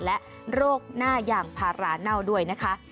และโรคหน้ายางพาราเน่าด้วยนะคะ